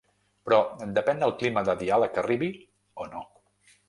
Però depèn del clima de diàleg que arribi, o no.